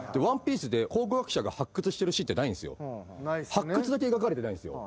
発掘だけ描かれてないんすよ。